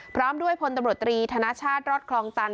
พร้อมด้วยพลตำรวจตรีธนชาติรอดคลองตัน